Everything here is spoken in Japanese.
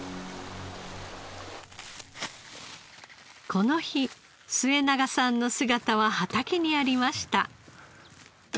この日末永さんの姿は畑にありました。